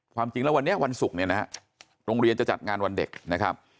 ความจริงว่าวันนี้วันศุกร์โรงเรียนจะจัดงานวันเด็ก